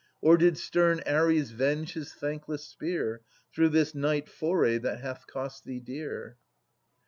Or did stern Ares venge his thankless spear Through this night foray that hath cost thee dear?